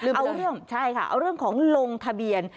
เอาเรื่องของลงทะเบียน